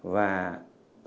và xuất tinh sớm